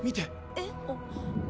「えっ？」